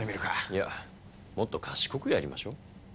いやもっと賢くやりましょう。